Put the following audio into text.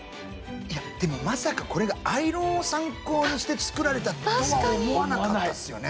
いやでもまさかこれがアイロンを参考にして作られたとは思わなかったですよね。